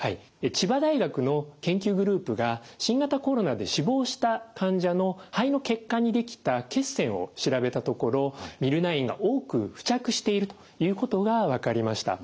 千葉大学の研究グループが新型コロナで死亡した患者の肺の血管にできた血栓を調べたところＭｙｌ９が多く付着しているということが分かりました。